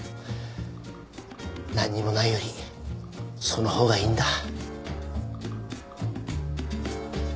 何にもないよりその方がいいんだ。